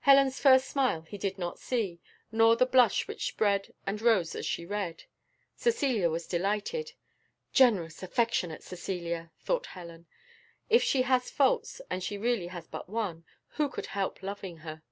Helen's first smile he did not see, nor the blush which spread and rose as she read. Cecilia was delighted. "Generous, affectionate Cecilia!" thought Helen; "if she has faults, and she really has but one, who could help loving her?"